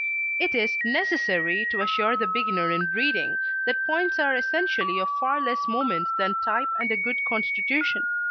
It is necessary to assure the beginner in breeding that points are essentially of far less moment than type and a good constitution.